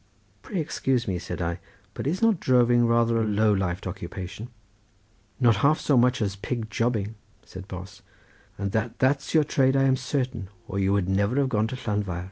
"Pray excuse me," said I, "but is not droving rather a low lifed occupation?" "Not half so much as pig jobbing," said Bos, "and that that's your trade I am certain, or you would never have gone to Llanfair."